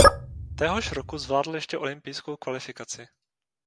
Téhož roku zvládl ještě olympijskou kvalifikaci.